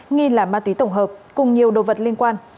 nghi là ma túy tổng hợp cùng nhiều đồ vật liên quan